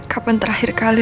kapan terakhir kali